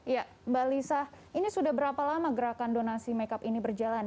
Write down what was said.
ya mbak lisa ini sudah berapa lama gerakan donasi makeup ini berjalan